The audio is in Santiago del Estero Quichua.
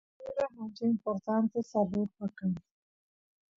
sonqo yuraq ancha importanta salurpa kan